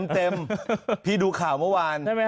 พี่ดูข่าวเมื่อวาน